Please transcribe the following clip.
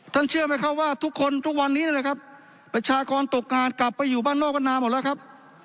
เชื่อไหมครับว่าทุกคนทุกวันนี้นะครับประชากรตกงานกลับไปอยู่บ้านนอกกันนานหมดแล้วครับ